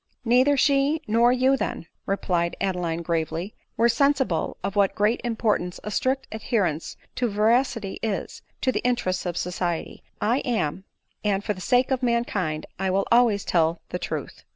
" Neither she nor you, then," replied Adeline gravely, "were sensible of what great importance a strict adhe rence to veracity is, to the interests of society. I am y — and for the sake of mankind I will always tell the truth."